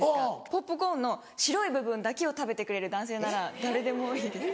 ポップコーンの白い部分だけを食べてくれる男性なら誰でもいいです。